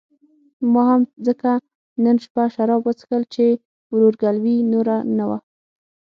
ما هم ځکه نن شپه شراب وڅښل چې ورورګلوي نوره نه وه.